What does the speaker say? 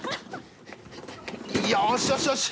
よしよしよし！